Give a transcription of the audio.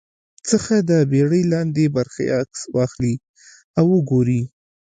څخه د بېړۍ لاندې برخې عکس واخلي او وګوري